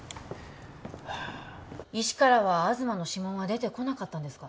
石からは東の指紋は出てこなかったんですか？